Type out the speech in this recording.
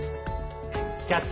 「キャッチ！